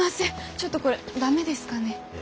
ちょっとこれ駄目ですかね。